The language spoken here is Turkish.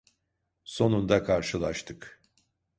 Sonunda karşılaştık.